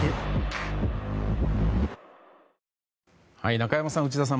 中山さん、内田さん